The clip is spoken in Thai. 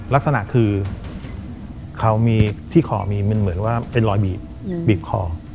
ลักษณะคือเขามีที่คอมีมันเหมือนว่าเป็นรอยบีบบีบคอ